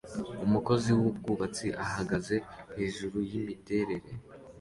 Umukozi wubwubatsi ahagaze hejuru yimiterere